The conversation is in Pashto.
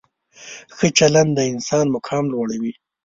ښه چلند د انسان مقام لوړوي.